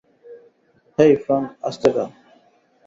হেই, Frank, আস্তে খা।